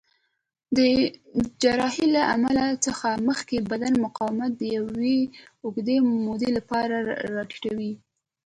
د جراحۍ له عمل څخه مخکې بدن مقاومت د یوې اوږدې مودې لپاره راټیټوي.